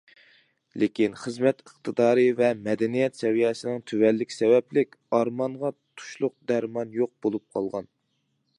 لېكىن خىزمەت ئىقتىدارى ۋە مەدەنىيەت سەۋىيەسىنىڭ تۆۋەنلىكى سەۋەبلىك‹‹ ئارمانغا تۇشلۇق دەرمان يوق›› بولۇپ قالغان.